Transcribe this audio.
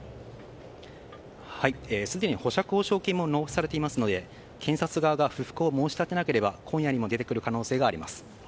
すでに保釈保証金も納付されていますので検察側が不服を申し立てなければ今夜にも出てくる可能性があります。